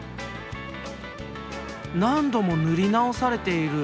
何度も塗り直されている。